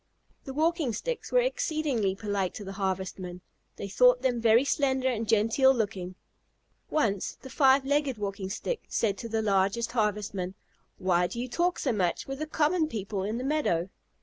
The Walking Sticks were exceedingly polite to the Harvestmen. They thought them very slender and genteel looking. Once the Five Legged Walking Stick said to the largest Harvestman, "Why do you talk so much with the common people in the meadow?"